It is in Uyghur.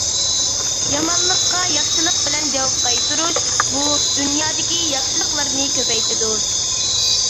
يامانلىققا ياخشىلىق بىلەن جاۋاب قايتۇرۇش، بۇ دۇنيادىكى ياخشىلىقلارنى كۆپەيتىدۇ.